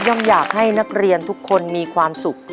อยากให้นักเรียนทุกคนมีความสุข